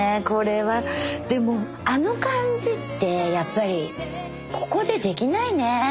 これはでもあの感じってやっぱりここでできないね。